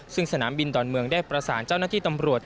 ซึ่งสนามบินดอนเมืองได้ประสานเจ้าหน้าที่ตำรวจ